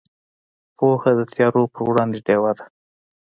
پوهه د تیارو پر وړاندې ډیوه ده.